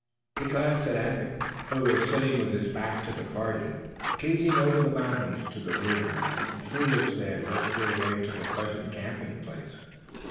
He glanced at Anvik, who was sitting with his back to the party, gazing off over the mountains to the rear of them and through which they had worked their way to the present camping place.